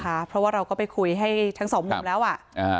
เพราะว่าเราก็ไปคุยให้ทั้งสองมุมแล้วอ่ะอ่า